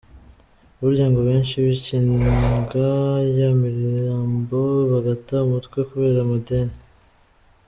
Burya ngo benshi bikinga ya mirimbo bagata umutwe kubera amadeni.